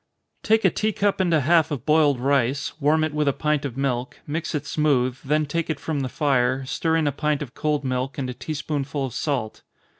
_ Take a tea cup and a half of boiled rice warm it with a pint of milk, mix it smooth, then take it from the fire, stir in a pint of cold milk, and a tea spoonful of salt.